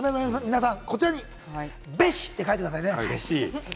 皆さん、こちらにビシッと書いてくださいね。